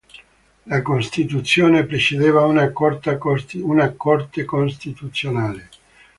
La Costituzione prevedeva una Corte costituzionale.